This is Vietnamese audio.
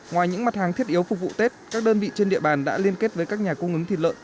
ngoài những mặt hàng thiết yếu phục vụ tết các đơn vị trên địa bàn đã liên kết với các nhà cung ứng thịt lợn